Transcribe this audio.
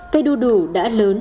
cây đu đủ đã lớn